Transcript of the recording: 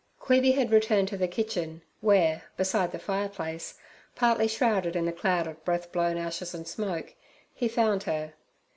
Queeby had returned to the kitchen, where, beside the fireplace, partly shrouded in a cloud of breath blown ashes and smoke, he found her.